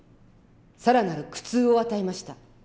更なる苦痛を与えました。